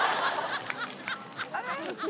あれ？